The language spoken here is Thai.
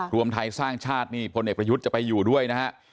รวมไทยสร้างชาตินี่พลเอกประยุทธ์จะไปอยู่ด้วยนะฮะ